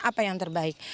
apa yang terbaik